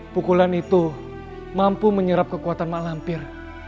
pukulan itu mampu menyerap kekuatan malampir